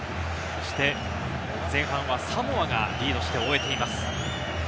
前半はサモアがリードして終えています。